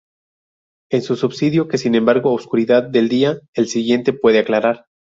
Es un subsidio que sin embargo oscuridad del día, el siguiente puede aclarar".